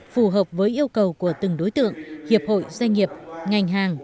phù hợp với yêu cầu của từng đối tượng hiệp hội doanh nghiệp ngành hàng